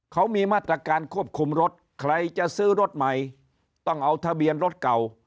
เขามีมาตรการควบคุมรถใครจะซื้อรถใหม่ต้องเอาทะเบียนรถเก่า